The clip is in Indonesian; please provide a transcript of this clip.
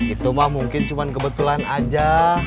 itu mah mungkin cuma kebetulan aja